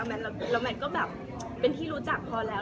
แล้วแมทก็แบบเป็นที่รู้จักพอแล้ว